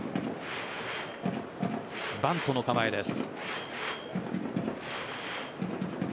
バントの構えです。